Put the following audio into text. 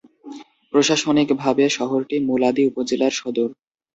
প্রশাসনিকভাবে শহরটি মুলাদী উপজেলার সদর।